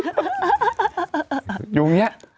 อยู่อย่างนี้